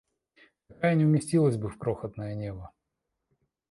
Такая не уместилась бы в крохотное небо!